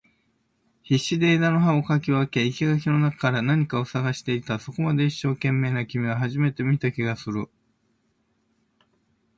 必死で枝を葉を掻き分け、生垣の中から何かを探していた。そこまで一生懸命な君は初めて見た気がする。